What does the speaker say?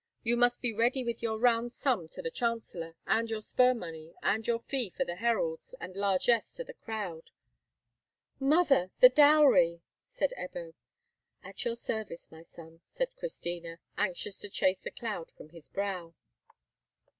You must be ready with your round sum to the chancellor, and your spur money and your fee to the heralds, and largess to the crowd." "Mother, the dowry," said Ebbo. "At your service, my son," said Christina, anxious to chase the cloud from his brow.